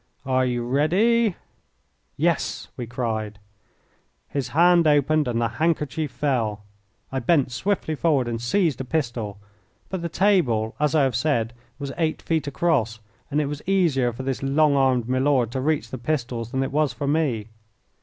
Are you ready?" "Yes," we cried. His hand opened and the handkerchief fell. I bent swiftly forward and seized a pistol, but the table, as I have said, was eight feet across, and it was easier for this long armed milord to reach the pistols than it was for me.